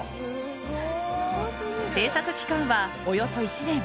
制作期間は、およそ１年。